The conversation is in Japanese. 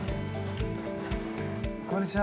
こんにちは。